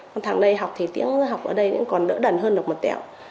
con thằng này học thì tiếng học ở đây còn đỡ đẩn hơn được một tẹo